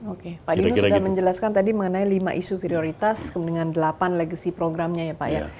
oke pak dino sudah menjelaskan tadi mengenai lima isu prioritas kemudian delapan legacy programnya ya pak ya